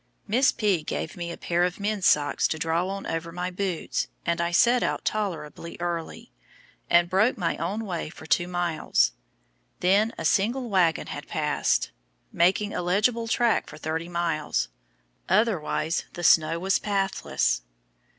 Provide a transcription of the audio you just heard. Miss P. gave me a pair of men's socks to draw on over my boots, and I set out tolerably early, and broke my own way for two miles. Then a single wagon had passed, making a legible track for thirty miles, otherwise the snow was pathless.